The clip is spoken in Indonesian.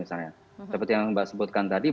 misalnya seperti yang mbak sebutkan tadi